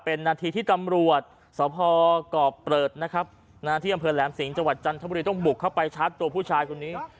เป็นนาทีที่ตำรวจสพกเปลิดแหลมสิงต้มบุกเข้าไปชัดถามผู้ชายคุณนี้